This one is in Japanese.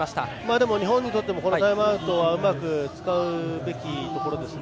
でも日本にとってもこのタイムアウトはうまく使うべきですね。